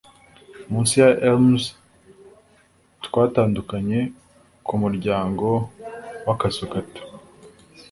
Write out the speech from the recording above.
Munsi ya elms twatandukanye Ku muryango wakazu gato